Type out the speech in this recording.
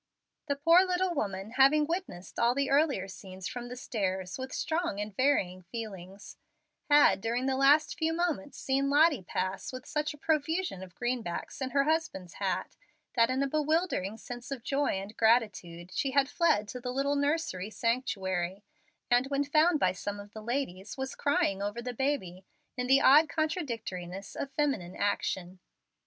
The poor little woman, having witnessed all the earlier scenes from the stairs with strong and varying feelings, had, during the last few moments, seen Lottie pass with such a profusion of greenbacks in her husband's hat that in a bewildering sense of joy and gratitude she had fled to the little nursery sanctuary, and when found by some of the ladies was crying over the baby in the odd contradictoriness of feminine action.